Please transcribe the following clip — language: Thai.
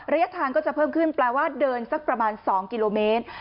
ระยะทางก็จะเพิ่มขึ้นแปลว่าเดินสักประมาณ๒กิโลเมตร